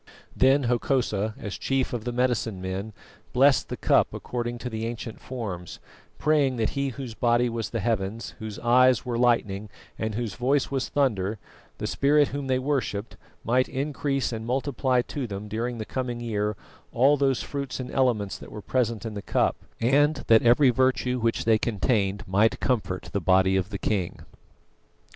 Then Hokosa, as chief of the medicine men, blessed the cup according to the ancient forms, praying that he whose body was the heavens, whose eyes were lightning, and whose voice was thunder, the spirit whom they worshipped, might increase and multiply to them during the coming year all those fruits and elements that were present in the cup, and that every virtue which they contained might comfort the body of the king.